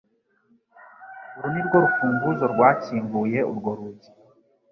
Uru nirwo rufunguzo rwakinguye urwo rugi.